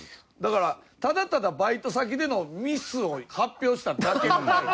だからただただバイト先でのミスを発表しただけの回。